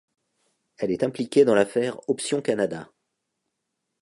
Elle est impliquée dans l'affaire Option Canada.